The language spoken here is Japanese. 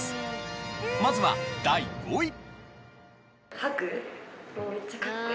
まずは第５位。